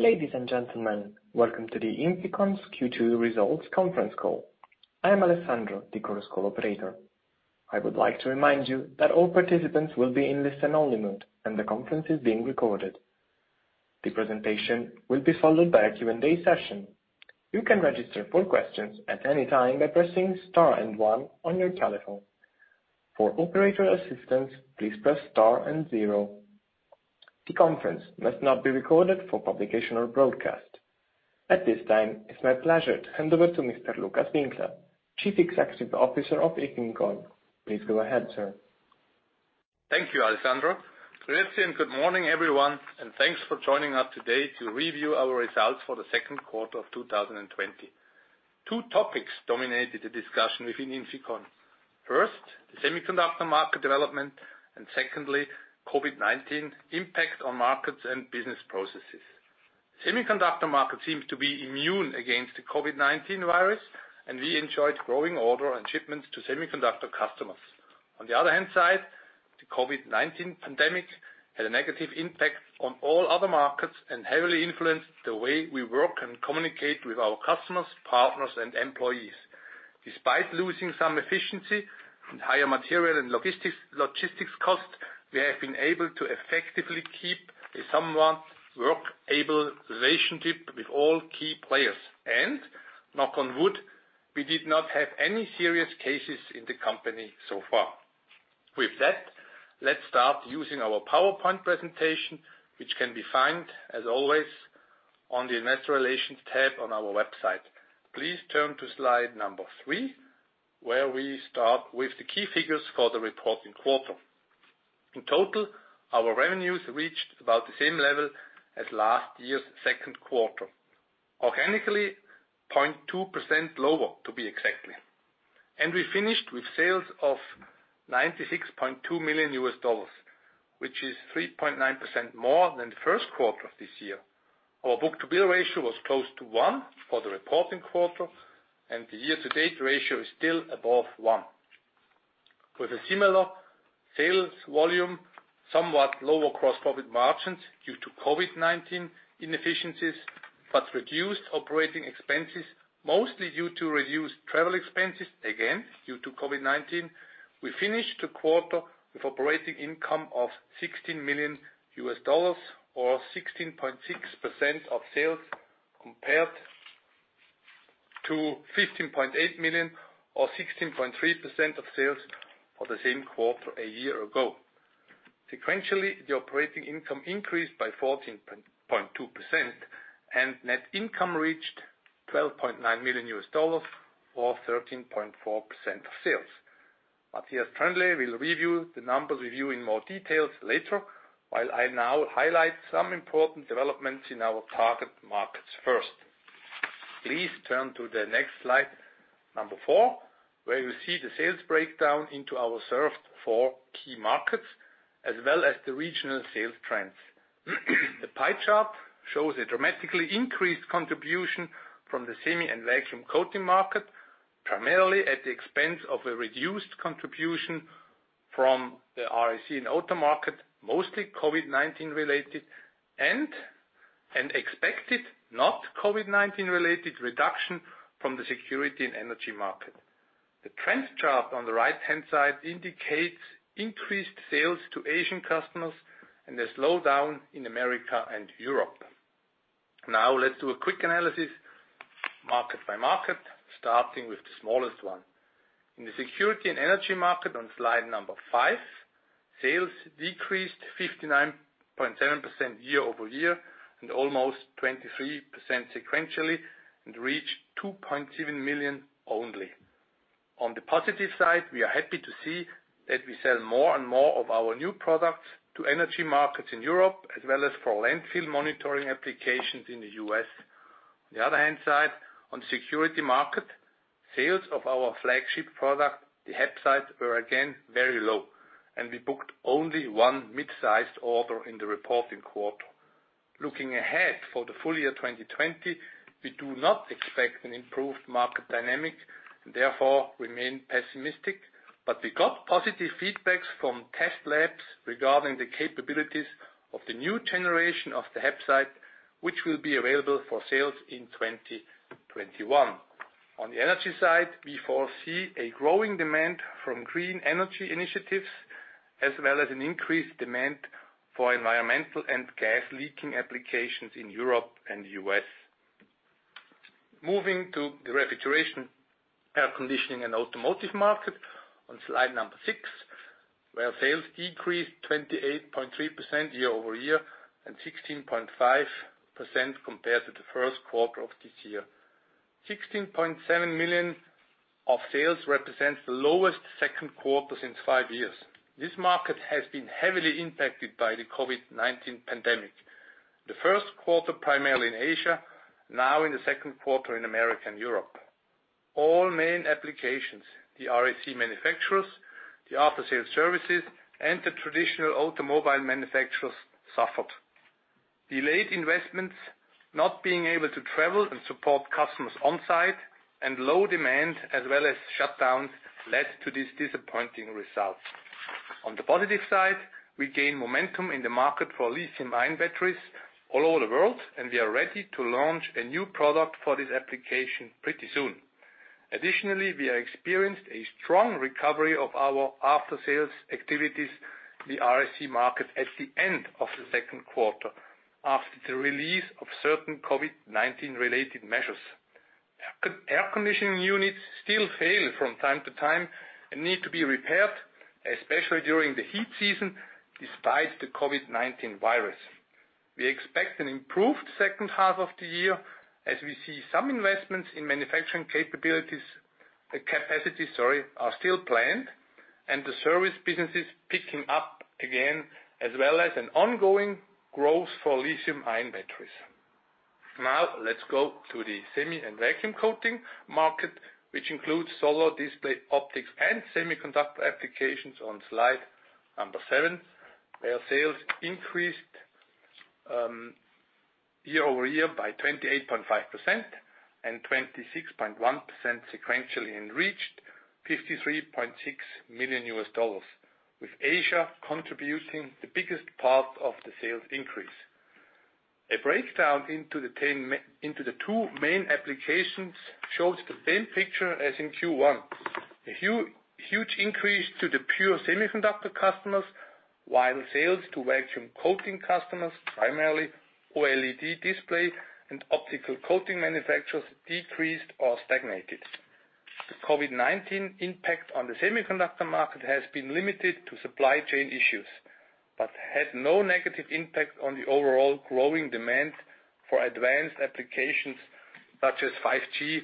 Ladies and gentlemen, welcome to INFICON's Q2 results conference call. I am Alessandro, the Chorus Call operator. I would like to remind you that all participants will be in listen-only mode, and the conference is being recorded. The presentation will be followed by a Q&A session. You can register for questions at any time by pressing Star and One on your telephone. For operator assistance, please press Star and Zero. The conference must not be recorded for publication or broadcast. At this time, it's my pleasure to hand over to Mr. Lukas Winkler, Chief Executive Officer of INFICON. Please go ahead, sir. Thank you, Alessandro. Good morning, everyone, and thanks for joining us today to review our results for the second quarter of 2020. Two topics dominated the discussion within INFICON. First, the semiconductor market development, and secondly, COVID-19 impact on markets and business processes. Semiconductor market seems to be immune against the COVID-19 virus, and we enjoyed growing order and shipments to semiconductor customers. On the other hand side, the COVID-19 pandemic had a negative impact on all other markets and heavily influenced the way we work and communicate with our customers, partners, and employees. Despite losing some efficiency and higher material and logistics cost, we have been able to effectively keep a somewhat workable relationship with all key players. Knock on wood, we did not have any serious cases in the company so far. With that, let's start using our PowerPoint presentation, which can be found, as always, on the investor relations tab on our website. Please turn to slide number three, where we start with the key figures for the reporting quarter. In total, our revenues reached about the same level as last year's second quarter. Organically, 0.2% lower, to be exactly. We finished with sales of $96.2 million, which is 3.9% more than the first quarter of this year. Our book-to-bill ratio was close to one for the reporting quarter, and the year-to-date ratio is still above one. With a similar sales volume, somewhat lower gross profit margins due to COVID-19 inefficiencies, but reduced operating expenses, mostly due to reduced travel expenses, again, due to COVID-19, we finished the quarter with operating income of $16 million, or 16.6% of sales, compared to $15.8 million or 16.3% of sales for the same quarter a year ago. Sequentially, the operating income increased by 14.2%, and net income reached $12.9 million, or 13.4% of sales. Matthias Troendle will review the numbers with you in more details later, while I now highlight some important developments in our target markets first. Please turn to the next slide, number four, where you see the sales breakdown into our served four key markets, as well as the regional sales trends. The pie chart shows a dramatically increased contribution from the semi and vacuum coating market, primarily at the expense of a reduced contribution from the RAC and auto market, mostly COVID-19 related, and expected, not COVID-19 related reduction from the security and energy market. The trend chart on the right-hand side indicates increased sales to Asian customers and a slowdown in America and Europe. Let's do a quick analysis market by market, starting with the smallest one. In the security and energy market on slide number five, sales decreased 59.7% year-over-year and almost 23% sequentially and reached $2.7 million only. On the positive side, we are happy to see that we sell more and more of our new products to energy markets in Europe, as well as for landfill monitoring applications in the U.S. On the other hand side, on security market, sales of our flagship product, the HAPSITE, were again very low, and we booked only one mid-sized order in the reporting quarter. Looking ahead for the full year 2020, we do not expect an improved market dynamic, and therefore remain pessimistic. We got positive feedbacks from test labs regarding the capabilities of the new generation of the HAPSITE, which will be available for sales in 2021. On the energy side, we foresee a growing demand from green energy initiatives, as well as an increased demand for environmental and gas leaking applications in Europe and the U.S. Moving to the refrigeration, air conditioning, and automotive market on slide number six, where sales decreased 28.3% year-over-year and 16.5% compared to the first quarter of this year. $16.7 million of sales represents the lowest second quarter since five years. This market has been heavily impacted by the COVID-19 pandemic. The first quarter, primarily in Asia, now in the second quarter in America and Europe. All main applications, the RAC manufacturers, the after-sale services, and the traditional automobile manufacturers suffered. Delayed investments, not being able to travel and support customers on site, and low demand, as well as shutdowns, led to this disappointing result. On the positive side, we gained momentum in the market for lithium-ion batteries all over the world, and we are ready to launch a new product for this application pretty soon. Additionally, we experienced a strong recovery of our after-sales activities, the RAC market, at the end of the second quarter, after the release of certain COVID-19 related measures. Air conditioning units still fail from time to time and need to be repaired, especially during the heat season, despite the COVID-19 virus. We expect an improved second half of the year, as we see some investments in manufacturing capacities are still planned, and the service business is picking up again, as well as an ongoing growth for lithium-ion batteries. Let's go to the semi and vacuum coating market, which includes solar display optics and semiconductor applications on slide number seven. Where sales increased year-over-year by 28.5% and 26.1% sequentially, and reached $53.6 million, with Asia contributing the biggest part of the sales increase. A breakdown into the two main applications shows the same picture as in Q1. A huge increase to the pure semiconductor customers, while sales to vacuum coating customers, primarily OLED display and optical coating manufacturers, decreased or stagnated. The COVID-19 impact on the semiconductor market has been limited to supply chain issues, had no negative impact on the overall growing demand for advanced applications such as 5G,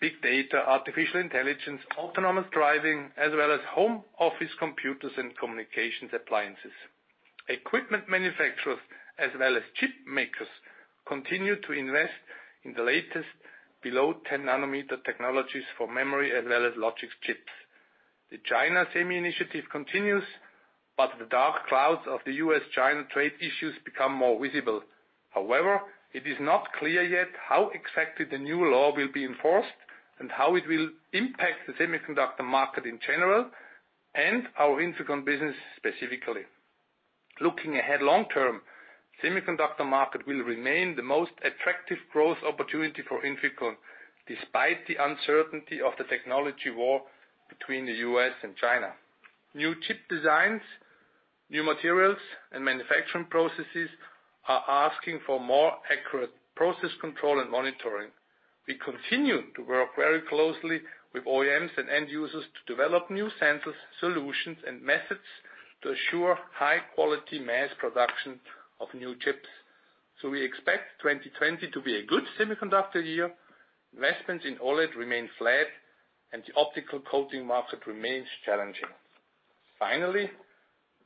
big data, artificial intelligence, autonomous driving, as well as home office computers and communications appliances. Equipment manufacturers, as well as chip makers, continue to invest in the latest below 10 nm technologies for memory as well as logics chips. The China Semi initiative continues, the dark clouds of the U.S.-China trade issues become more visible. It is not clear yet how exactly the new law will be enforced and how it will impact the semiconductor market in general and our INFICON business specifically. Looking ahead long term, semiconductor market will remain the most attractive growth opportunity for INFICON, despite the uncertainty of the technology war between the U.S. and China. New chip designs, new materials and manufacturing processes are asking for more accurate process control and monitoring. We continue to work very closely with OEMs and end users to develop new sensors, solutions, and methods to assure high-quality mass production of new chips. We expect 2020 to be a good semiconductor year. Investments in OLED remain flat, and the optical coating market remains challenging.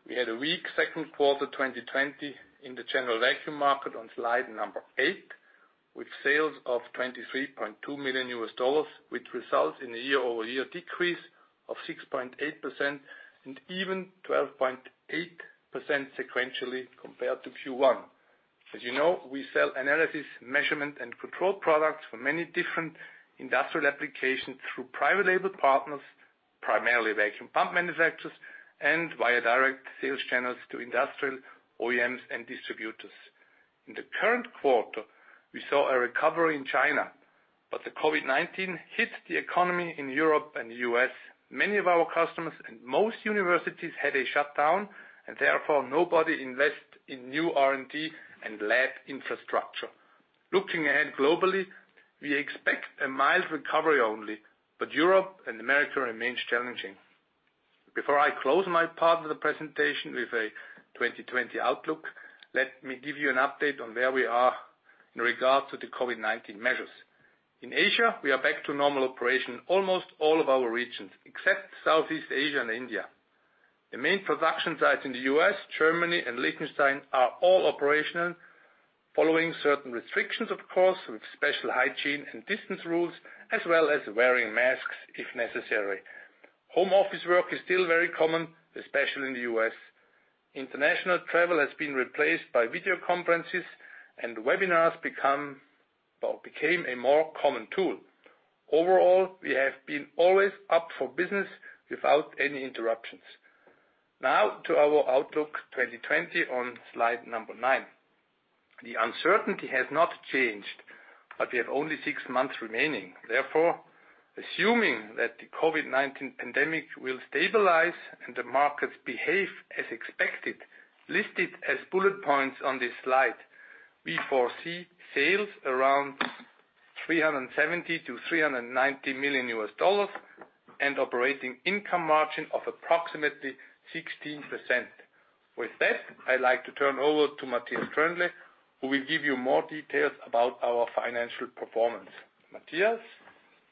We had a weak second quarter 2020 in the general vacuum market on slide number eight, with sales of $23.2 million, which result in a year-over-year decrease of 6.8% and even 12.8% sequentially compared to Q1. As you know, we sell analysis, measurement, and control products for many different industrial applications through private label partners, primarily vacuum pump manufacturers, and via direct sales channels to industrial OEMs and distributors. In the current quarter, we saw a recovery in China, but the COVID-19 hit the economy in Europe and the U.S. Many of our customers and most universities had a shutdown, therefore nobody invest in new R&D and lab infrastructure. Looking ahead globally, we expect a mild recovery only, Europe and America remains challenging. Before I close my part of the presentation with a 2020 outlook, let me give you an update on where we are in regard to the COVID-19 measures. In Asia, we are back to normal operation almost all of our regions, except Southeast Asia and India. The main production sites in the U.S., Germany, and Liechtenstein are all operational following certain restrictions, of course, with special hygiene and distance rules, as well as wearing masks if necessary. Home office work is still very common, especially in the U.S. International travel has been replaced by video conferences, and webinars became a more common tool. Overall, we have been always up for business without any interruptions. To our outlook 2020 on slide number nine. The uncertainty has not changed, but we have only six months remaining. Assuming that the COVID-19 pandemic will stabilize and the markets behave as expected, listed as bullet points on this slide, we foresee sales around $370 million-$390 million and operating income margin of approximately 16%. With that, I'd like to turn over to Matthias Troendle, who will give you more details about our financial performance. Matthias?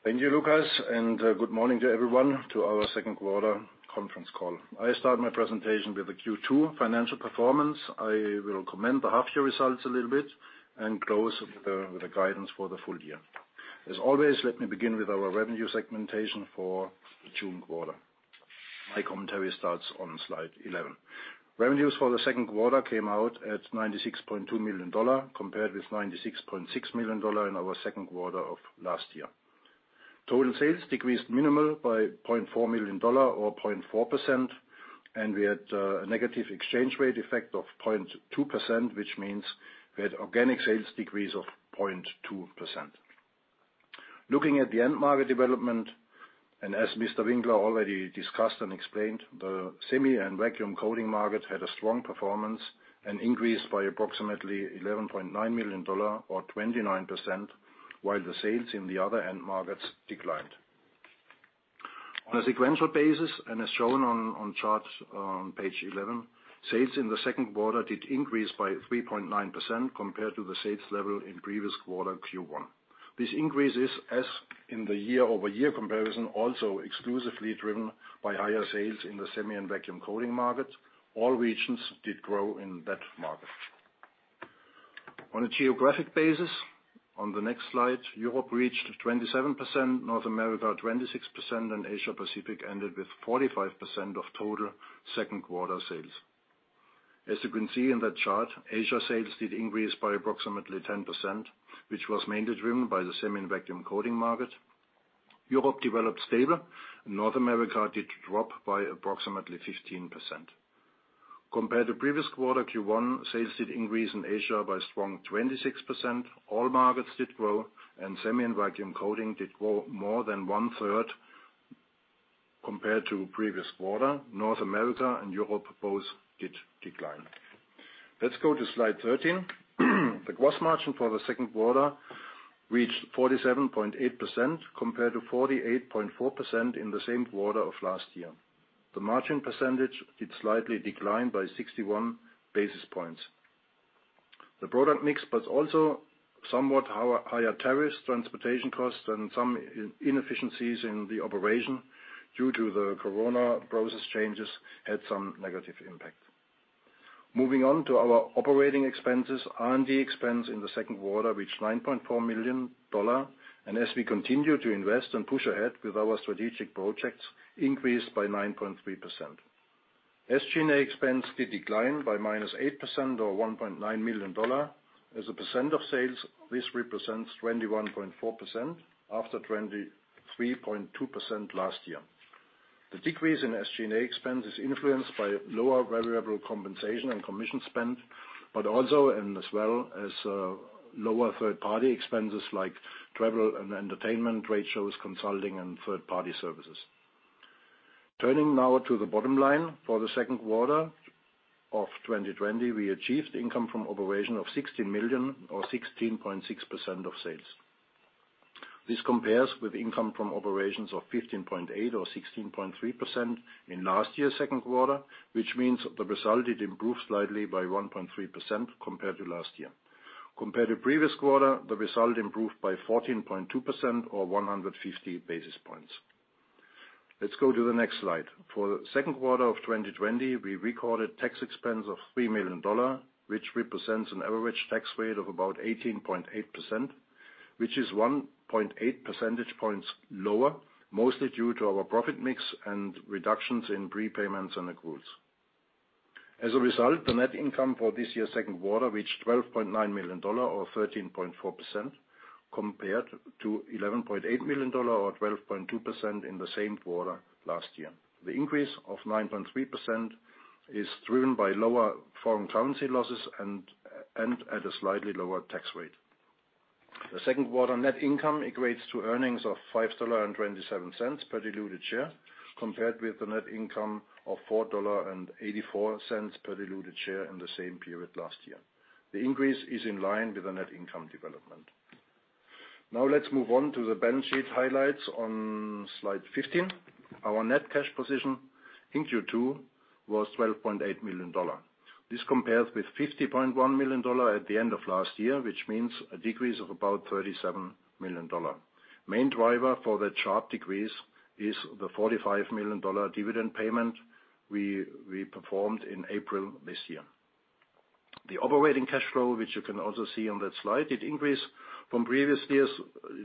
Thank you, Lukas, and good morning to everyone to our second quarter conference call. I start my presentation with the Q2 financial performance. I will comment the half year results a little bit and close with the guidance for the full year. As always, let me begin with our revenue segmentation for the June quarter. My commentary starts on slide 11. Revenues for the second quarter came out at $96.2 million, compared with $96.6 million in our second quarter of last year. Total sales decreased minimal by $0.4 million or 0.4%, and we had a negative exchange rate effect of 0.2%, which means we had organic sales decrease of 0.2%. Looking at the end market development, and as Mr. Winkler already discussed and explained, the semi and vacuum coating market had a strong performance and increased by approximately $11.9 million or 29%, while the sales in the other end markets declined. On a sequential basis, as shown on chart on page 11, sales in the second quarter did increase by 3.9% compared to the sales level in previous quarter, Q1. This increase is, as in the year-over-year comparison, also exclusively driven by higher sales in the semi and vacuum coating market. All regions did grow in that market. On a geographic basis, on the next slide, Europe reached 27%, North America 26%, and Asia Pacific ended with 45% of total second quarter sales. As you can see in that chart, Asia sales did increase by approximately 10%, which was mainly driven by the semi and vacuum coating market. Europe developed stable, North America did drop by approximately 15%. Compared to previous quarter, Q1, sales did increase in Asia by a strong 26%. All markets did grow, semi and vacuum coating did grow more than one-third compared to previous quarter. North America and Europe both did decline. Let's go to slide 13. The gross margin for the second quarter reached 47.8%, compared to 48.4% in the same quarter of last year. The margin percentage did slightly decline by 61 basis points. The product mix, but also somewhat higher tariffs, transportation costs, and some inefficiencies in the operation due to the Corona process changes, had some negative impact. Moving on to our operating expenses. R&D expense in the second quarter reached $9.4 million, and as we continue to invest and push ahead with our strategic projects, increased by 9.3%. SG&A expense did decline by -8% or $1.9 million. As a percent of sales, this represents 21.4% after 23.2% last year. The decrease in SG&A expense is influenced by lower variable compensation and commission spend, but also and as well as lower third-party expenses like travel and entertainment, trade shows, consulting, and third-party services. Turning now to the bottom line. For the second quarter of 2020, we achieved income from operation of $16 million or 16.6% of sales. This compares with income from operations of 15.8% or 16.3% in last year's second quarter, which means the result did improve slightly by 1.3% compared to last year. Compared to previous quarter, the result improved by 14.2% or 150 basis points. Let's go to the next slide. For the second quarter of 2020, we recorded tax expense of $3 million, which represents an average tax rate of about 18.8%, which is 1.8 percentage points lower, mostly due to our profit mix and reductions in prepayments and accruals. As a result, the net income for this year's second quarter reached $12.9 million or 13.4%, compared to $11.8 million or 12.2% in the same quarter last year. The increase of 9.3% is driven by lower foreign currency losses and at a slightly lower tax rate. The second quarter net income equates to earnings of $5.27 per diluted share, compared with the net income of $4.84 per diluted share in the same period last year. The increase is in line with the net income development. Now let's move on to the balance sheet highlights on slide 15. Our net cash position in Q2 was $12.8 million. This compares with $50.1 million at the end of last year, which means a decrease of about $37 million. Main driver for that sharp decrease is the $45 million dividend payment we performed in April this year. The operating cash flow, which you can also see on that slide, it increased from previous year's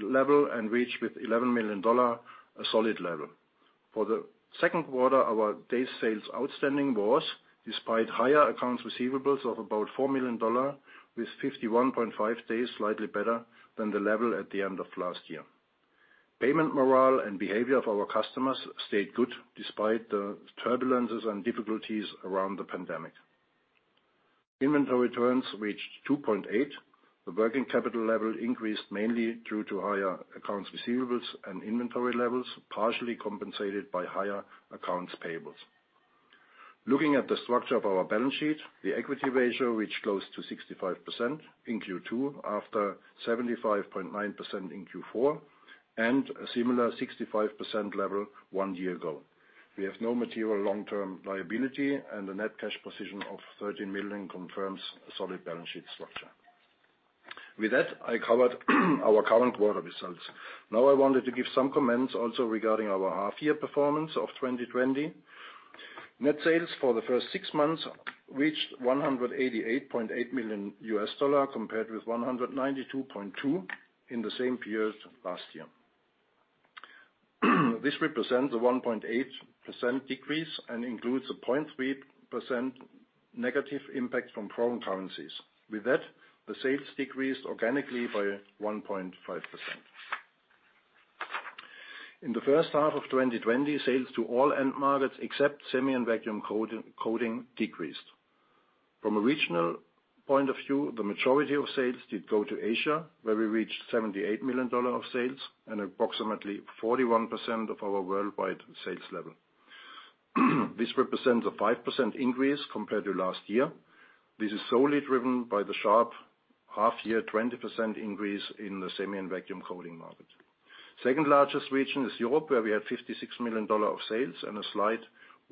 level and reached with $11 million a solid level. For the second quarter, our days sales outstanding was, despite higher accounts receivables of about $4 million, with 51.5 days, slightly better than the level at the end of last year. Payment morale and behavior of our customers stayed good despite the turbulences and difficulties around the pandemic. Inventory turns reached 2.8. The working capital level increased mainly due to higher accounts receivables and inventory levels, partially compensated by higher accounts payables. Looking at the structure of our balance sheet, the equity ratio reached close to 65% in Q2 after 75.9% in Q4, and a similar 65% level one year ago. We have no material long-term liability and a net cash position of $13 million confirms a solid balance sheet structure. With that, I covered our current quarter results. I wanted to give some comments also regarding our half-year performance of 2020. Net sales for the first six months reached $188.8 million compared with $192.2 million in the same period last year. This represents a 1.8% decrease and includes a 0.3% negative impact from foreign currencies. With that, the sales decreased organically by 1.5%. In the first half of 2020, sales to all end markets, except semi and vacuum coating, decreased. From a regional point of view, the majority of sales did go to Asia, where we reached $78 million of sales and approximately 41% of our worldwide sales level. This represents a 5% increase compared to last year. This is solely driven by the sharp half year 20% increase in the semi and vacuum coating market. Second-largest region is Europe, where we had $56 million of sales and a slight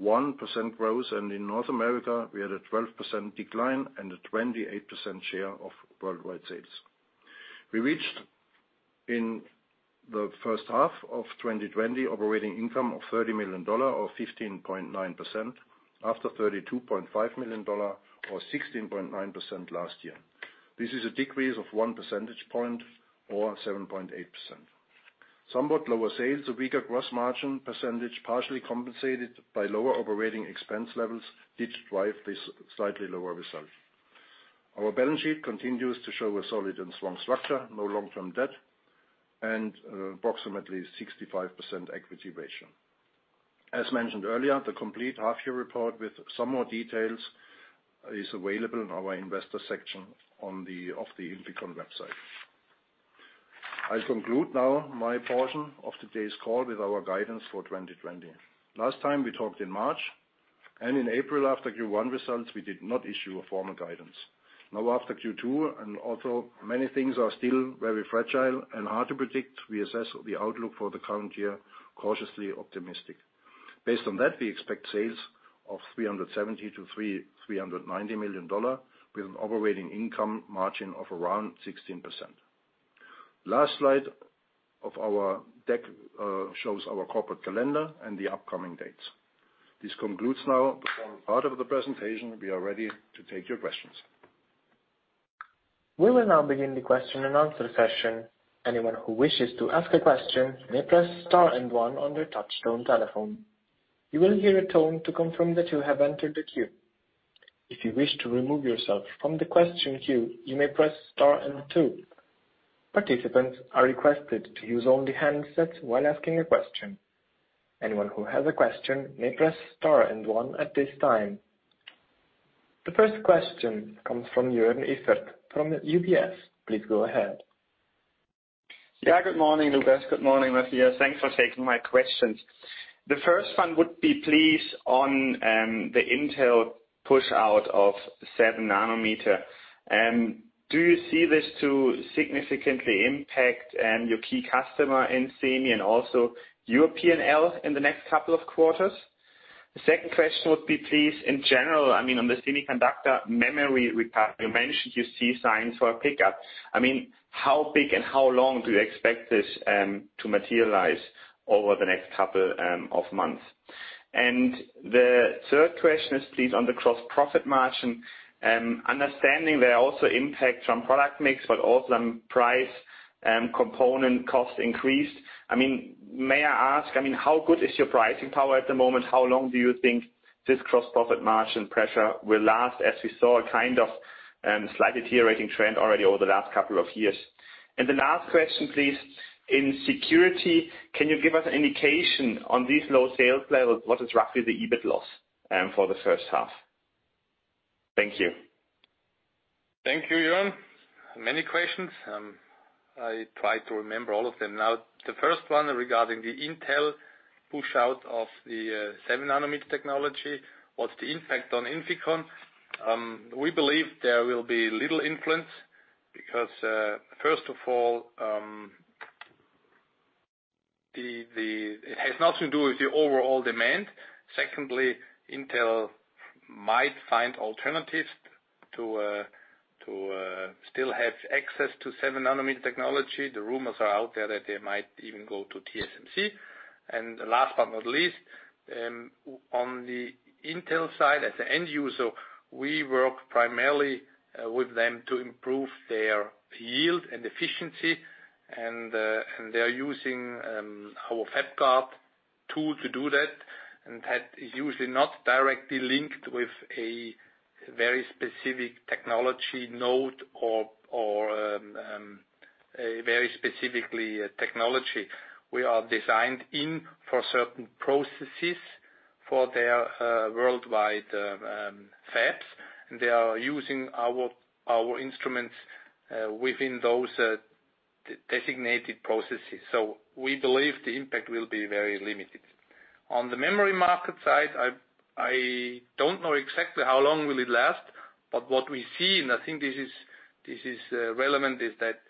1% growth, and in North America, we had a 12% decline and a 28% share of worldwide sales. We reached, in the first half of 2020, operating income of $30 million or 15.9% after $32.5 million or 16.9% last year. This is a decrease of one percentage point or 7.8%. Somewhat lower sales, a weaker gross margin percentage partially compensated by lower operating expense levels did drive this slightly lower result. Our balance sheet continues to show a solid and strong structure, no long-term debt, and approximately 65% equity ratio. As mentioned earlier, the complete half year report with some more details is available in our investor section of the INFICON website. I'll conclude now my portion of today's call with our guidance for 2020. Last time we talked in March, and in April after Q1 results, we did not issue a formal guidance. Now after Q2, and although many things are still very fragile and hard to predict, we assess the outlook for the current year cautiously optimistic. Based on that, we expect sales of $370 million-$390 million, with an operating income margin of around 16%. Last slide of our deck shows our corporate calendar and the upcoming dates. This concludes now the formal part of the presentation. We are ready to take your questions. We will now begin the question and answer session. Anyone who wishes to ask a question may press star and one on their touchtone telephone. You will hear a tone to confirm that you have entered the queue. If you wish to remove yourself from the question queue, you may press star and two. Participants are requested to use only handsets when asking a question. Anyone who has a question may press star and one at this time. The first question comes from Joern Iffert from UBS. Please go ahead. Yeah. Good morning, Lukas. Good morning, Matthias. Thanks for taking my questions. The first one would be, please, on the Intel push of seven nanometer. Do you see this to significantly impact your key customer in semi and also your P&L in the next couple of quarters? The second question would be, please, in general, on the semiconductor memory repair, you mentioned you see signs for a pickup. How big and how long do you expect this to materialize over the next couple of months? The third question is, please, on the gross profit margin, understanding there are also impacts from product mix, but also on price, component cost increased. May I ask, how good is your pricing power at the moment? How long do you think this gross profit margin pressure will last, as we saw a kind of slightly deteriorating trend already over the last couple of years? The last question, please. In security, can you give us an indication on these low sales levels, what is roughly the EBIT loss for the first half? Thank you. Thank you, Joern. Many questions. I try to remember all of them now. The first one regarding the Intel push out of the 7-nm technology. What's the impact on INFICON? We believe there will be little influence because, first of all, it has nothing to do with the overall demand. Secondly, Intel might find alternatives to still have access to seven-nanometer technology. The rumors are out there that they might even go to TSMC. Last but not least, on the Intel side, as an end user, we work primarily with them to improve their yield and efficiency. They're using our FabGuard tool to do that, and that is usually not directly linked with a very specific technology node or a very specifically technology. We are designed in for certain processes for their worldwide fabs, and they are using our instruments within those designated processes. We believe the impact will be very limited. On the memory market side, I don't know exactly how long will it last, but what we see, and I think this is relevant, is that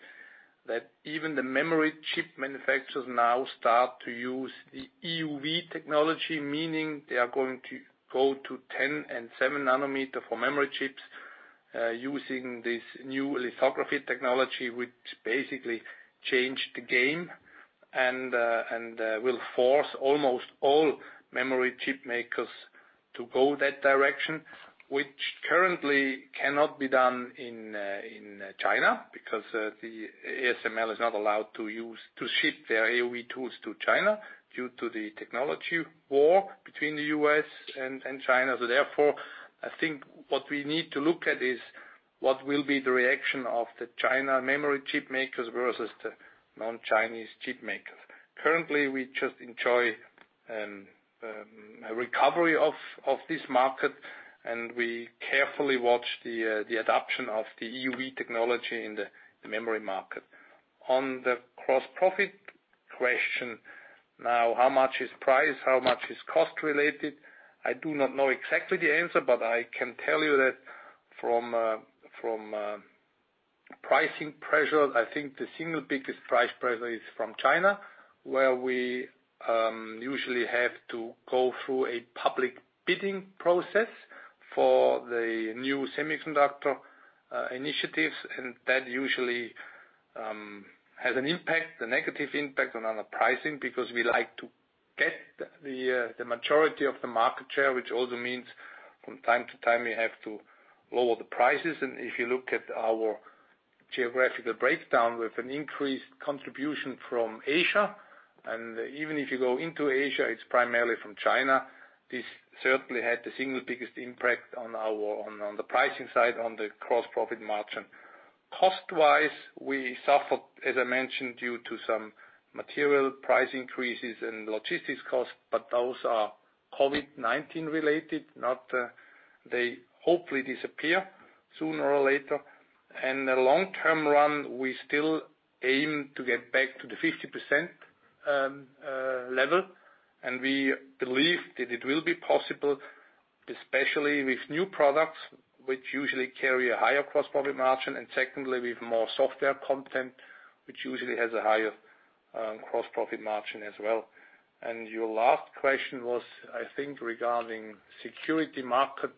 even the memory chip manufacturers now start to use the EUV technology, meaning they are going to go to 10 nm and 7 nm for memory chips Using this new lithography technology, which basically changed the game and will force almost all memory chip makers to go that direction, which currently cannot be done in China because the ASML is not allowed to ship their EUV tools to China due to the technology war between the U.S. and China. Therefore, I think what we need to look at is what will be the reaction of the China memory chip makers versus the non-Chinese chip makers. Currently, we just enjoy a recovery of this market, and we carefully watch the adoption of the EUV technology in the memory market. On the gross profit question, now, how much is price? How much is cost related? I do not know exactly the answer, but I can tell you that from pricing pressure, I think the single biggest price pressure is from China, where we usually have to go through a public bidding process for the new semiconductor initiatives. That usually has a negative impact on our pricing because we like to get the majority of the market share, which also means from time to time, we have to lower the prices. If you look at our geographical breakdown with an increased contribution from Asia, and even if you go into Asia, it's primarily from China. This certainly had the single biggest impact on the pricing side, on the gross profit margin. Cost-wise, we suffered, as I mentioned, due to some material price increases and logistics costs, but those are COVID-19 related. They hopefully disappear sooner or later. In the long-term run, we still aim to get back to the 50% level, and we believe that it will be possible, especially with new products which usually carry a higher gross profit margin. Secondly, with more software content, which usually has a higher gross profit margin as well. Your last question was, I think, regarding security market.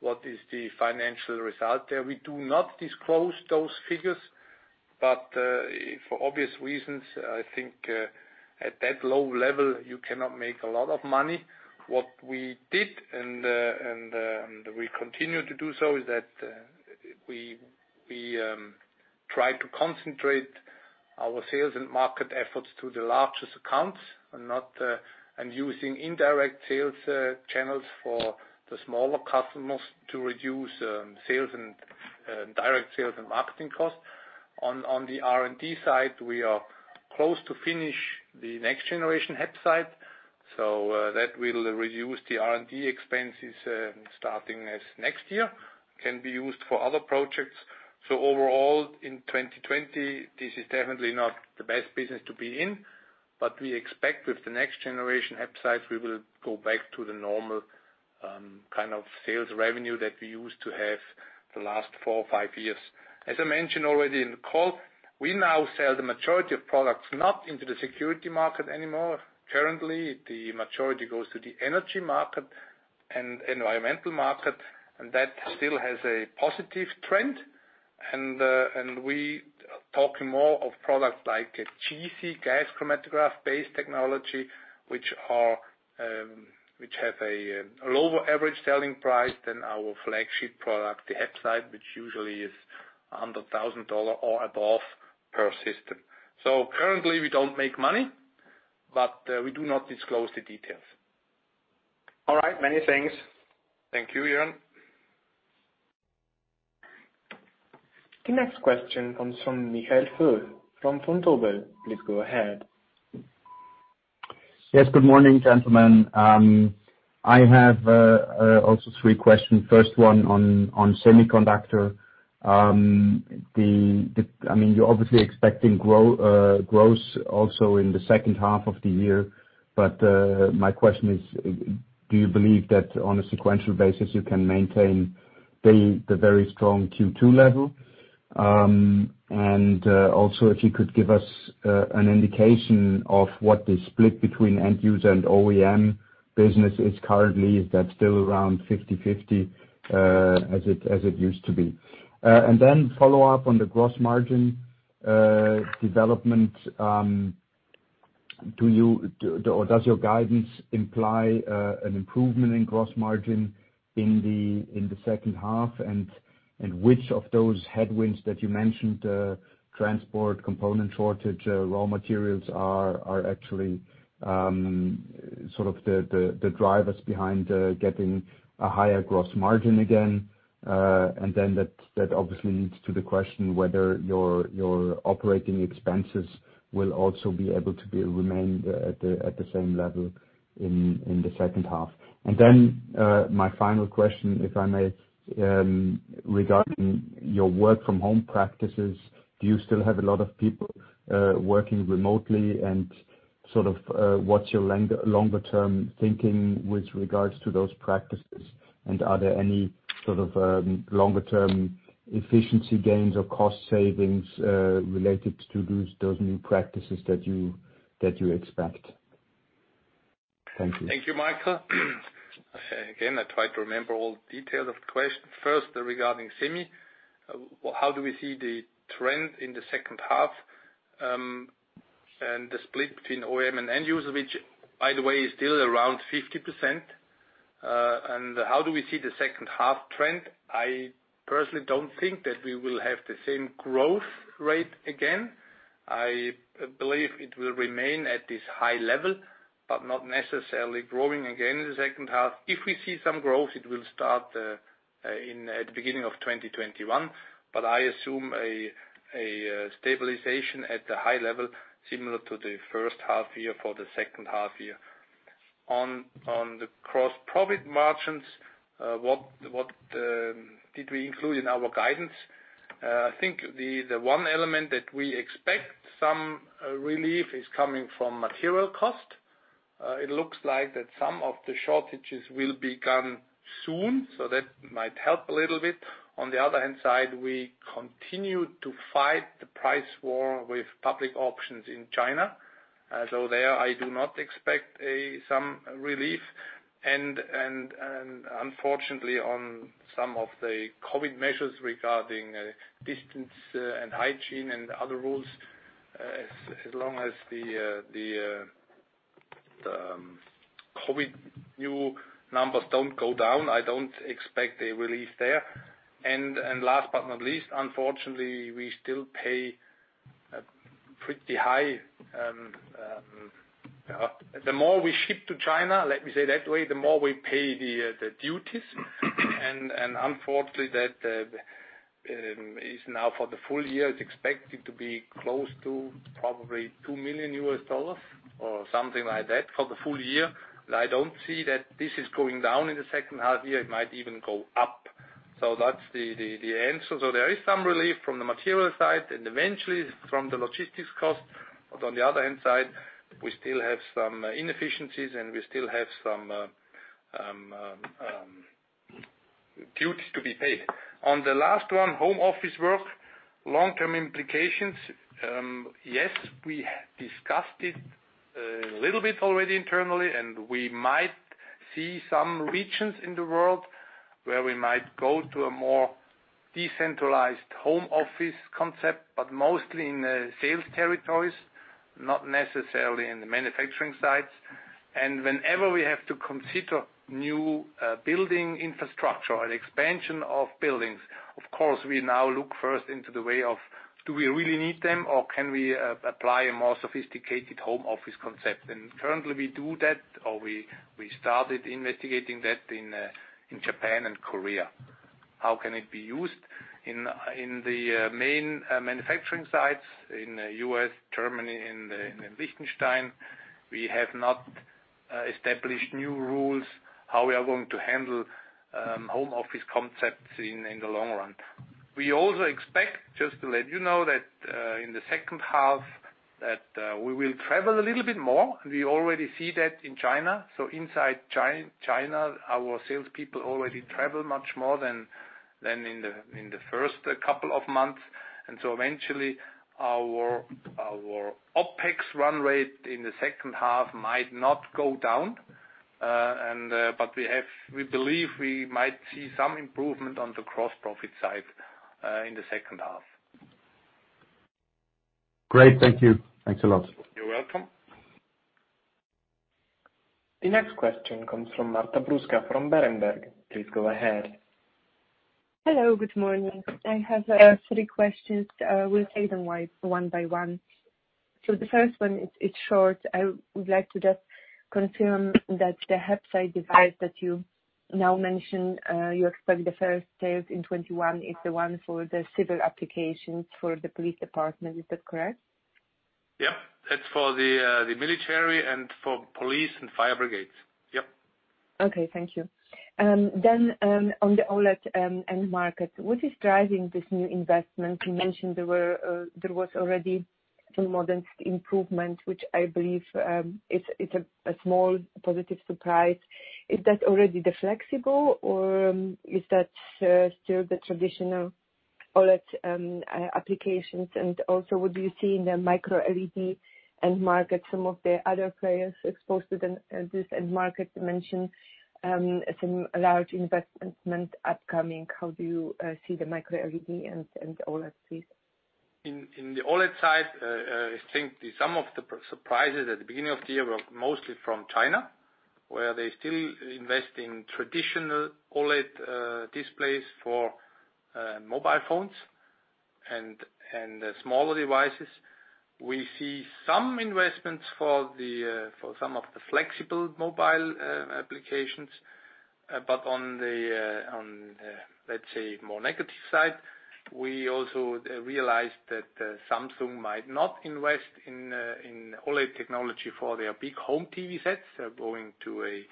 What is the financial result there? We do not disclose those figures, but for obvious reasons, I think at that low level, you cannot make a lot of money. What we did, and we continue to do so, is that we try to concentrate our sales and market efforts to the largest accounts and using indirect sales channels for the smaller customers to reduce sales and direct sales and marketing costs. On the R&D side, we are close to finish the next generation HAPSITE. That will reduce the R&D expenses starting next year, can be used for other projects. Overall, in 2020, this is definitely not the best business to be in, but we expect with the next generation HAPSITE, we will go back to the normal kind of sales revenue that we used to have the last four or five years. As I mentioned already in the call, we now sell the majority of products not into the security market anymore. Currently, the majority goes to the energy market and environmental market, and that still has a positive trend. We talk more of products like GC, gas chromatograph-based technology, which has a lower average selling price than our flagship product, the HAPSITE, which usually is $100,000 or above per system. Currently we don't make money, but we do not disclose the details. All right. Many thanks. Thank you, Joern. The next question comes from Michael Foeth from Vontobel. Please go ahead. Yes. Good morning, gentlemen. I have also three questions. First one on semiconductor. You're obviously expecting growth also in the second half of the year, but my question is, do you believe that on a sequential basis you can maintain the very strong Q2 level? Also if you could give us an indication of what the split between end user and OEM business is currently. Is that still around 50/50 as it used to be? Follow up on the gross margin development. Does your guidance imply an improvement in gross margin in the second half? Which of those headwinds that you mentioned, transport, component shortage, raw materials, are actually sort of the drivers behind getting a higher gross margin again? That obviously leads to the question whether your operating expenses will also be able to remain at the same level in the second half. My final question, if I may, regarding your work from home practices. Do you still have a lot of people working remotely and sort of what's your longer term thinking with regards to those practices? Are there any sort of longer term efficiency gains or cost savings related to those new practices that you expect? Thank you. Thank you, Michael. Again, I try to remember all the details of the question. First, regarding semi, how do we see the trend in the second half? The split between OEM and end user, which by the way, is still around 50%. How do we see the second half trend? I personally don't think that we will have the same growth rate again. I believe it will remain at this high level, but not necessarily growing again in the second half. If we see some growth, it will start at the beginning of 2021. I assume a stabilization at the high level similar to the first half year for the second half year. On the gross profit margins, what did we include in our guidance? I think the one element that we expect some relief is coming from material cost. It looks like that some of the shortages will be gone soon, so that might help a little bit. On the other hand side, we continue to fight the price war with public auctions in China. There, I do not expect some relief and unfortunately, on some of the COVID measures regarding distance and hygiene and other rules, as long as the COVID new numbers don't go down, I don't expect a release there. Last but not least, unfortunately, we still pay pretty high. The more we ship to China, let me say it that way, the more we pay the duties. Unfortunately that is now for the full year, is expected to be close to probably $2 million, or something like that for the full year. I don't see that this is going down in the second half year. It might even go up. That's the answer. There is some relief from the material side and eventually from the logistics cost. On the other hand side, we still have some inefficiencies and we still have some duties to be paid. On the last one, home office work, long-term implications. Yes, we discussed it a little bit already internally, and we might see some regions in the world where we might go to a more decentralized home office concept, but mostly in the sales territories, not necessarily in the manufacturing sites. Whenever we have to consider new building infrastructure or an expansion of buildings, of course, we now look first into the way of do we really need them or can we apply a more sophisticated home office concept? Currently we do that, or we started investigating that in Japan and Korea. How can it be used? In the main manufacturing sites in U.S., Germany, in Liechtenstein, we have not established new rules, how we are going to handle home office concepts in the long run. We also expect, just to let you know that, in the second half, that we will travel a little bit more. We already see that in China. Inside China, our salespeople already travel much more than in the first couple of months. Eventually our OpEx run rate in the second half might not go down. We believe we might see some improvement on the gross profit side in the second half. Great, thank you. Thanks a lot. You're welcome. The next question comes from Marta Bruska from Berenberg. Please go ahead. Hello, good morning. I have three questions. I will take them one by one. The first one, it's short. I would like to just confirm that the HAPSITE device that you now mention, you expect the first sales in 2021 is the one for the civil applications for the police department. Is that correct? Yeah. It's for the military and for police and fire brigades. Yep. Okay, thank you. On the OLED end market, what is driving this new investment? You mentioned there was already some modest improvement, which I believe is a small positive surprise. Is that already the flexible or is that still the traditional OLED applications? Also, would you see in the micro LED end market some of the other players exposed to this end market dimension, some large investment upcoming? How do you see the micro LED and OLED piece? In the OLED side, I think some of the surprises at the beginning of the year were mostly from China, where they still invest in traditional OLED displays for mobile phones and smaller devices. We see some investments for some of the flexible mobile applications. On the, let's say more negative side, we also realized that Samsung might not invest in OLED technology for their big home TV sets. They're going to a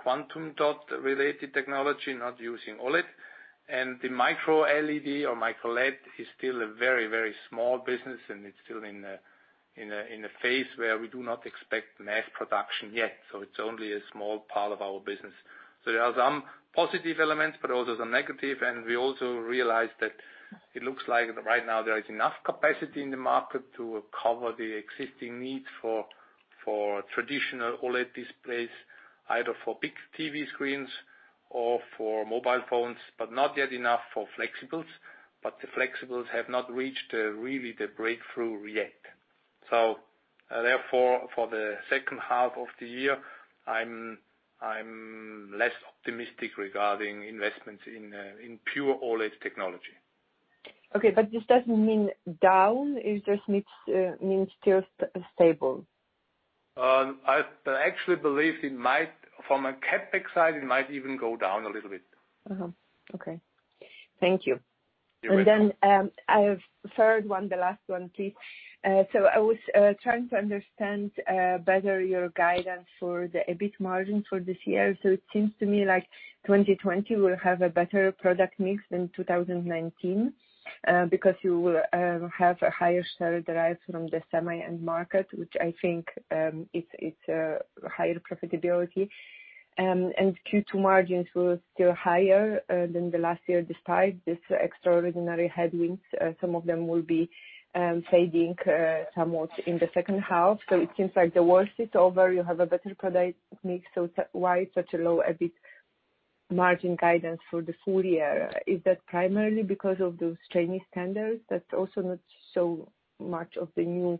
quantum dot related technology, not using OLED. The micro LED or micro-LED is still a very, very small business, and it's still in a phase where we do not expect mass production yet. It's only a small part of our business. There are some positive elements, but also some negative. We also realized that it looks like right now there is enough capacity in the market to cover the existing need for traditional OLED displays, either for big TV screens or for mobile phones, but not yet enough for flexibles. The flexibles have not reached really the breakthrough yet. Therefore, for the second half of the year, I'm less optimistic regarding investments in pure OLED technology. Okay, this doesn't mean down? It just means still stable. I actually believe from a CapEx side, it might even go down a little bit. Okay. Thank you. You're welcome. I have third one, the last one, please. I was trying to understand better your guidance for the EBIT margin for this year. It seems to me like 2020 will have a better product mix than 2019, because you will have a higher share derived from the semi market, which I think it's a higher profitability. Q2 margins were still higher than the last year, despite these extraordinary headwinds. Some of them will be fading, somewhat in the second half. It seems like the worst is over, you have a better product mix, why such a low EBIT margin guidance for the full year? Is that primarily because of those Chinese tenders? That's also not so much of the new.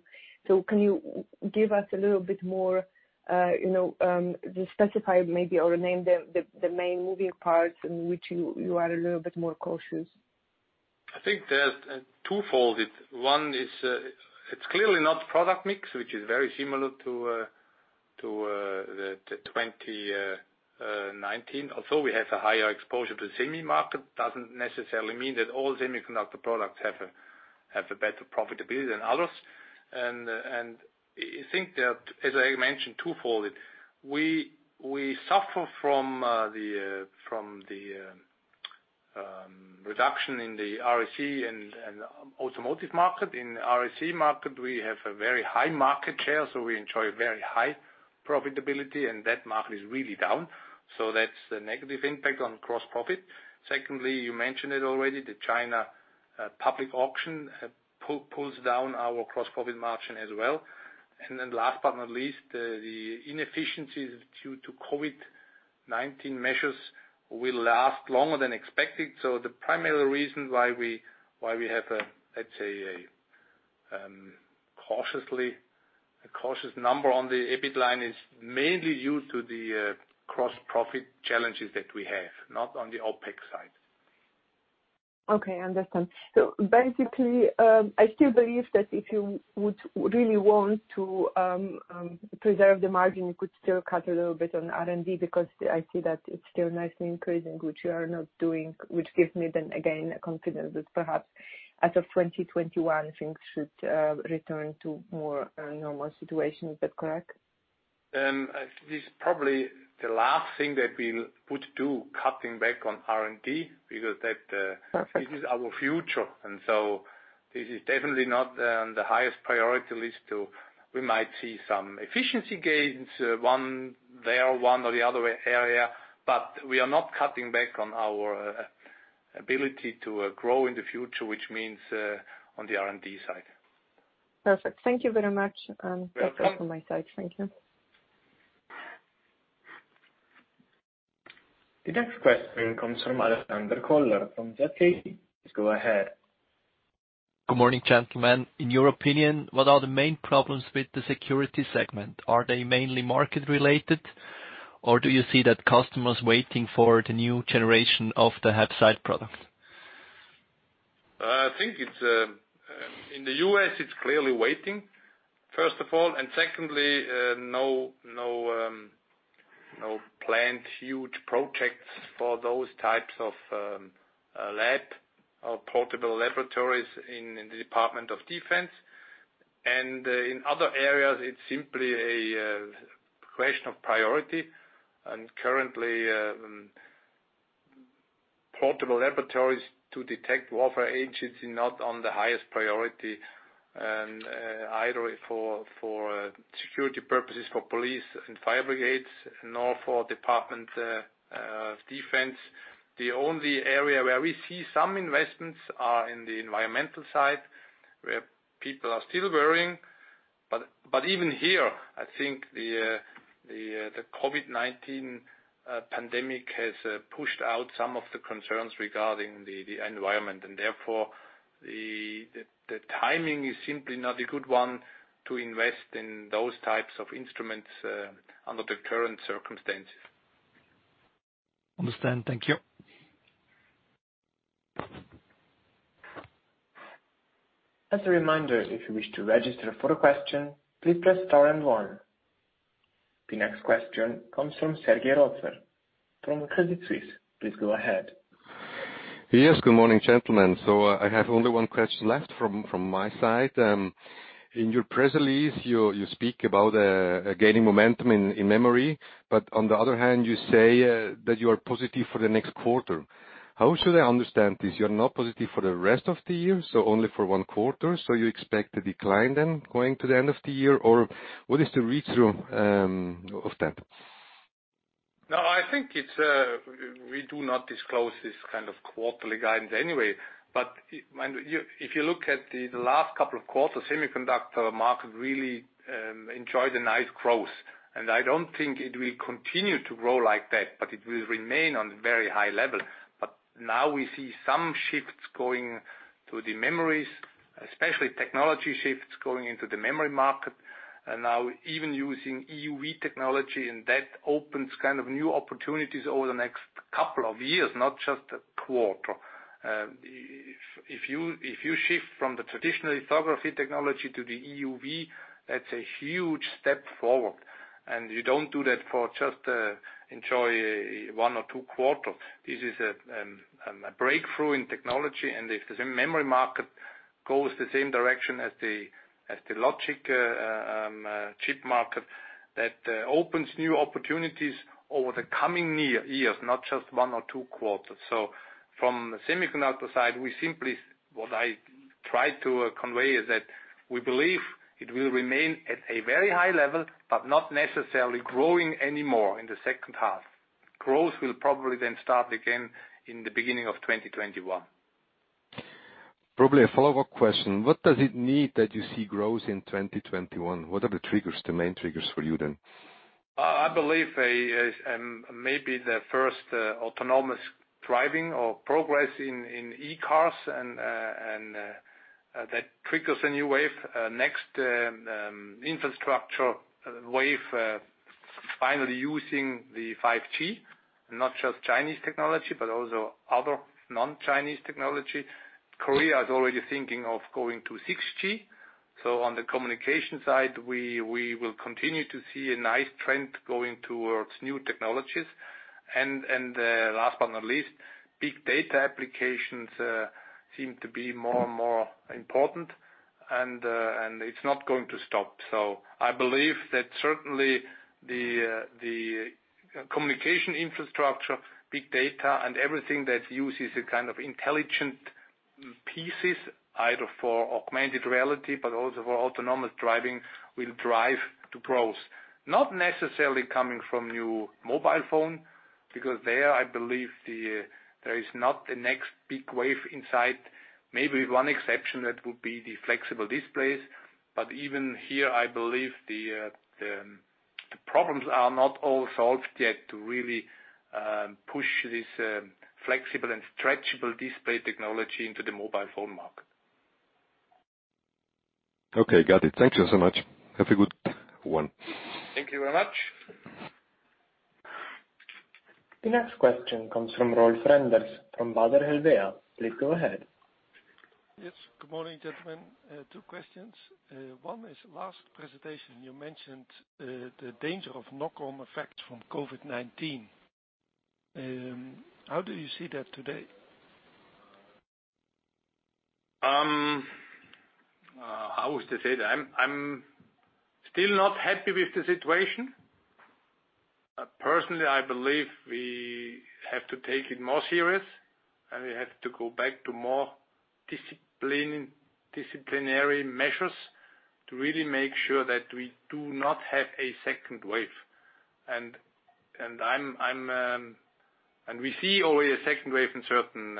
Can you give us a little bit more, the specified maybe, or name the main moving parts in which you are a little bit more cautious? I think that twofold. One is, it's clearly not product mix, which is very similar to the 2019. We have a higher exposure to semi market, doesn't necessarily mean that all semiconductor products have a better profitability than others. I think that, as I mentioned, twofold. We suffer from the reduction in the RAC and automotive market. In RAC market, we have a very high market share, so we enjoy very high profitability, and that market is really down. That's a negative impact on gross profit. Secondly, you mentioned it already, the China public auction pulls down our gross profit margin as well. Last but not least, the inefficiencies due to COVID-19 measures will last longer than expected. The primary reason why we have a, let's say, a cautious number on the EBIT line is mainly due to the gross profit challenges that we have, not on the OpEx side. Okay, understand. Basically, I still believe that if you would really want to preserve the margin, you could still cut a little bit on R&D, because I see that it's still nicely increasing, which you are not doing, which gives me then again, confidence that perhaps as of 2021, things should return to more normal situation. Is that correct? This is probably the last thing that we would do, cutting back on R&D. Okay This is our future. This is definitely not on the highest priority list. We might see some efficiency gains, one there, one or the other area, but we are not cutting back on our ability to grow in the future, which means, on the R&D side. Perfect. Thank you very much. You're welcome. That's all from my side. Thank you. The next question comes from Alexander Koller from ZKB. Please go ahead. Good morning, gentlemen. In your opinion, what are the main problems with the security segment? Are they mainly market related, or do you see that customers waiting for the new generation of the HAPSITE product? I think in the U.S., it's clearly waiting, first of all. Secondly, no planned huge projects for those types of lab or portable laboratories in the Department of Defense. In other areas, it's simply a question of priority, and currently, portable laboratories to detect warfare agents is not on the highest priority, either for security purposes for police and fire brigades, nor for Department of Defense. The only area where we see some investments are in the environmental side, where people are still worrying. Even here, I think the COVID-19 pandemic has pushed out some of the concerns regarding the environment, and therefore, the timing is simply not a good one to invest in those types of instruments under the current circumstances. Understand. Thank you. As a reminder, if you wish to register for a question, please press star and one. The next question comes from Serge Rotzer from Credit Suisse. Please go ahead. Yes, good morning, gentlemen. I have only one question left from my side. In your press release, you speak about gaining momentum in memory. On the other hand, you say that you are positive for the next quarter. How should I understand this? You are not positive for the rest of the year, only for one quarter, so you expect a decline then going to the end of the year? What is the read-through of that? I think we do not disclose this kind of quarterly guidance anyway. If you look at the last couple of quarters, semiconductor market really enjoyed a nice growth. I don't think it will continue to grow like that, but it will remain on very high level. Now we see some shifts going to the memories, especially technology shifts going into the memory market. Now even using EUV technology, and that opens new opportunities over the next couple of years, not just a quarter. If you shift from the traditional lithography technology to the EUV, that's a huge step forward. You don't do that for just enjoy one or two quarters. This is a breakthrough in technology, and if the memory market goes the same direction as the logic chip market, that opens new opportunities over the coming years, not just one or two quarters. From the semiconductor side, what I try to convey is that we believe it will remain at a very high level, but not necessarily growing any more in the second half. Growth will probably then start again in the beginning of 2021. Probably a follow-up question. What does it need that you see growth in 2021? What are the main triggers for you then? I believe maybe the first autonomous driving or progress in e-cars that triggers a new wave. Next, infrastructure wave, finally using the 5G, not just Chinese technology, but also other non-Chinese technology. Korea is already thinking of going to 6G. On the communication side, we will continue to see a nice trend going towards new technologies. Last but not least, big data applications seem to be more and more important, and it's not going to stop. I believe that certainly the communication infrastructure, big data, and everything that uses a kind of intelligent pieces, either for augmented reality, but also for autonomous driving, will drive to growth. Not necessarily coming from new mobile phone, because there, I believe there is not the next big wave in sight. Maybe one exception, that would be the flexible displays. Even here, I believe the problems are not all solved yet to really push this flexible and stretchable display technology into the mobile phone market. Okay, got it. Thank you so much. Have a good one. Thank you very much. The next question comes from Rolf Renders from Baader Helvea. Please go ahead. Yes. Good morning, gentlemen. Two questions. One is, last presentation, you mentioned the danger of knock-on effects from COVID-19. How do you see that today? How was to say that? I'm still not happy with the situation. Personally, I believe we have to take it more serious, and we have to go back to more disciplinary measures to really make sure that we do not have a second wave. We see already a second wave in certain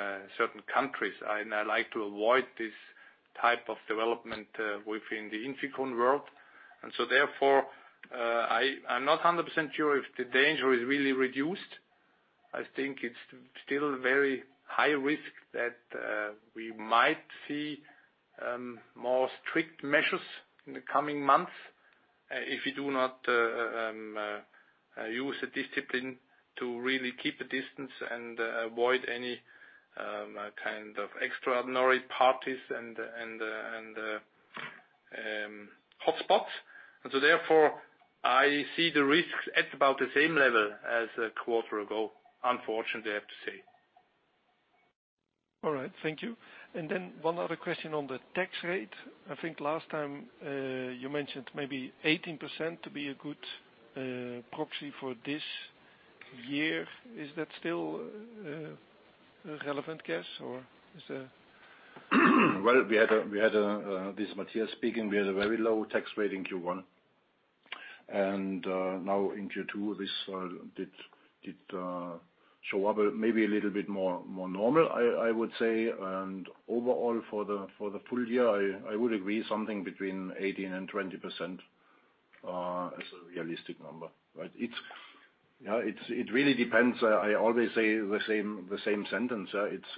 countries, and I like to avoid this type of development within the INFICON world. I'm not 100% sure if the danger is really reduced. I think it's still very high risk that we might see more strict measures in the coming months if we do not use the discipline to really keep a distance and avoid any kind of extraordinary parties and hotspots. I see the risks at about the same level as a quarter ago, unfortunately, I have to say. All right. Thank you. One other question on the tax rate. I think last time, you mentioned maybe 18% to be a good proxy for this year. Is that still a relevant guess or is there? Well, this is Matthias speaking. We had a very low tax rate in Q1. Now in Q2, this did show up maybe a little bit more normal, I would say. Overall, for the full year, I would agree something between 18% and 20% as a realistic number. It really depends. I always say the same sentence.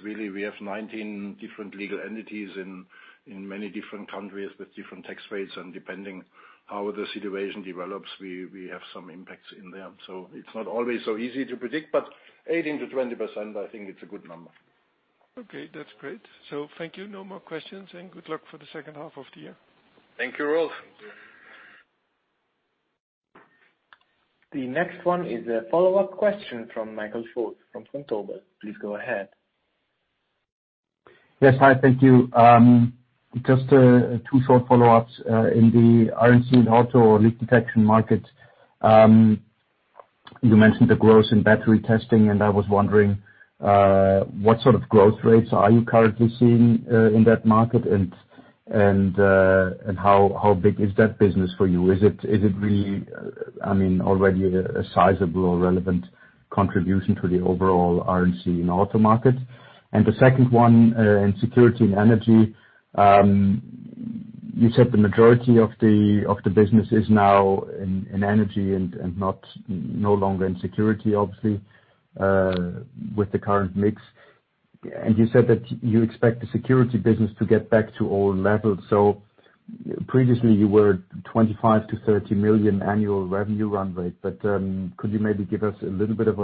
We have 19 different legal entities in many different countries with different tax rates, and depending how the situation develops, we have some impacts in them. It's not always so easy to predict, but 18%-20%, I think it's a good number. Okay. That's great. Thank you. No more questions, and good luck for the second half of the year. Thank you, Rolf. The next one is a follow-up question from Michael Foeth from Vontobel. Please go ahead. Yes. Hi, thank you. Just two short follow-ups. In the RAC and auto or leak detection market, you mentioned the growth in battery testing, and I was wondering what sort of growth rates are you currently seeing in that market how big is that business for you? Is it really already a sizable or relevant contribution to the overall RAC and auto market? The second one, in security and energy, you said the majority of the business is now in energy and no longer in security, obviously, with the current mix. You said that you expect the security business to get back to old levels. Previously you were at $25 million-$30 million annual revenue run rate, but could you maybe give us a little bit of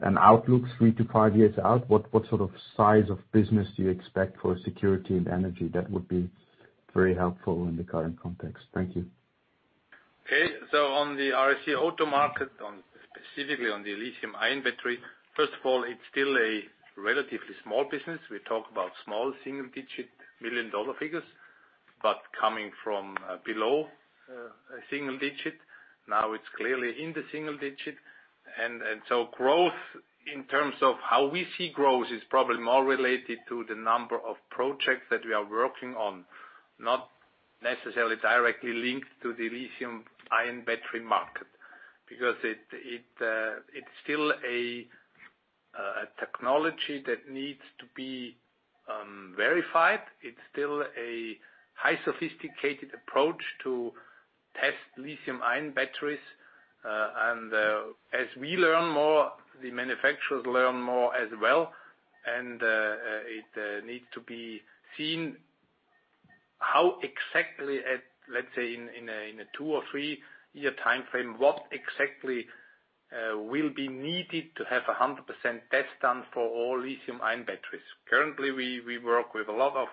an outlook three to five years out? What sort of size of business do you expect for security and energy? That would be very helpful in the current context. Thank you. Okay. On the RAC market, specifically on the lithium-ion battery, first of all, it's still a relatively small business. We talk about small single-digit million-dollar figures, but coming from below a single digit, now it's clearly in the single digit. Growth in terms of how we see growth is probably more related to the number of projects that we are working on, not necessarily directly linked to the lithium-ion battery market. It's still a technology that needs to be verified. It's still a high sophisticated approach to test lithium-ion batteries. As we learn more, the manufacturers learn more as well, and it needs to be seen how exactly at, let's say, in a two or three-year timeframe, what exactly will be needed to have 100% test done for all lithium-ion batteries. Currently, we work with a lot of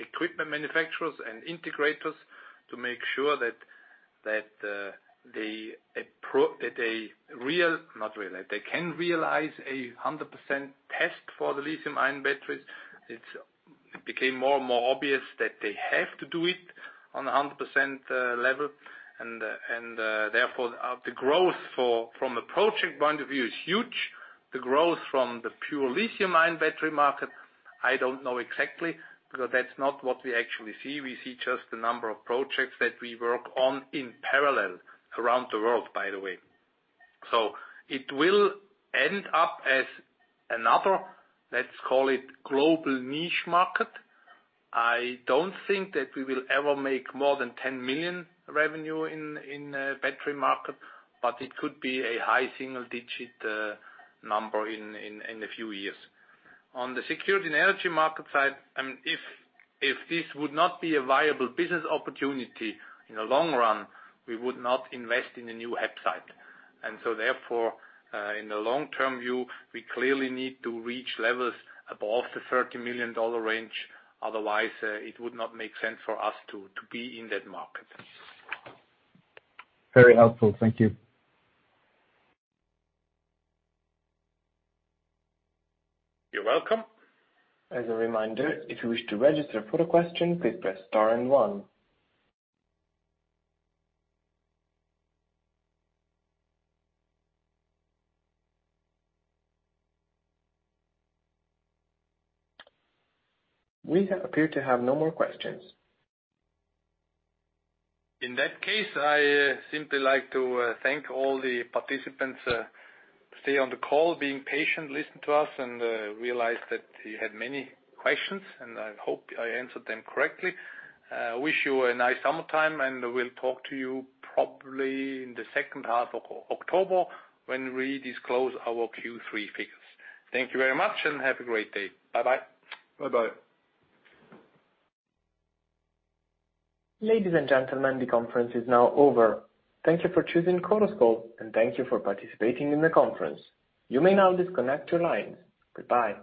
equipment manufacturers and integrators to make sure that they can realize 100% test for the lithium-ion batteries. It became more and more obvious that they have to do it on 100% level. Therefore, the growth from a project point of view is huge. The growth from the pure lithium-ion battery market, I don't know exactly because that's not what we actually see. We see just the number of projects that we work on in parallel around the world, by the way. It will end up as another, let's call it global niche market. I don't think that we will ever make more than $10 million revenue in battery market, but it could be a high single-digit number in a few years. On the security and energy market side, if this would not be a viable business opportunity in the long run, we would not invest in a new HAPSITE. Therefore, in the long-term view, we clearly need to reach levels above the $30 million range, otherwise, it would not make sense for us to be in that market. Very helpful. Thank you. You're welcome. As a reminder, if you wish to register for a question, please press star and one. We appear to have no more questions. In that case, I simply like to thank all the participants, stay on the call, being patient, listen to us, and realize that you had many questions, and I hope I answered them correctly. I wish you a nice summertime, and we'll talk to you probably in the second half of October when we disclose our Q3 figures. Thank you very much and have a great day. Bye-bye. Bye-bye. Ladies and gentlemen, the conference is now over. Thank you for choosing Chorus Call, and thank you for participating in the conference. You may now disconnect your lines. Goodbye.